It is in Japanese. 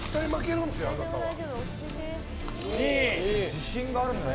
自信があるんでしょ。